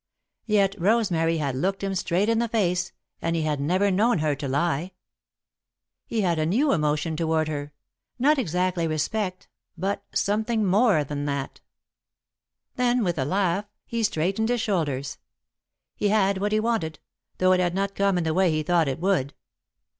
Yet Rosemary had looked him straight in the face and he had never known her to lie. He had a new emotion toward her; not exactly respect, but something more than that. [Sidenote: A Letter for Edith] Then, with a laugh, he straightened his shoulders. He had what he wanted, though it had not come in the way he thought it would.